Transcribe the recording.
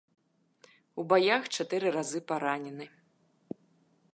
У баях чатыры разы паранены.